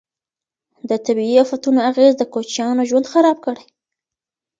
د طبیعي افتونو اغیز د کوچیانو ژوند خراب کړی.